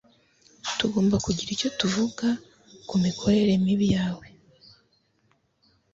Tugomba kugira icyo tuvuga kumikorere mibi yawe.